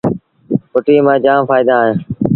ڦُٽيٚ مآݩ جآم ڦآئيٚدآ اهيݩ